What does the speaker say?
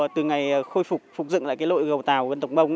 từ ngày khôi phục phục dựng lại cái lội gầu tàu của vân tổng bông